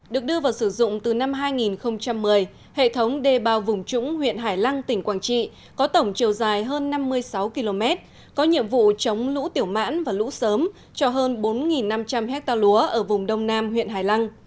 được đưa vào sử dụng từ năm hai nghìn một mươi hệ thống đê bao vùng trũng huyện hải lăng tỉnh quảng trị có tổng chiều dài hơn năm mươi sáu km có nhiệm vụ chống lũ tiểu mãn và lũ sớm cho hơn bốn năm trăm linh hectare lúa ở vùng đông nam huyện hải lăng